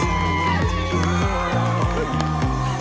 โอ้มายก๊อด